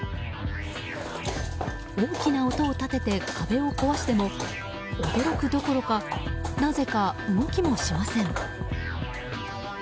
大きな音を立てて壁を壊しても驚くどころかなぜか動きもしません。